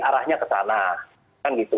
arahnya kesana kan gitu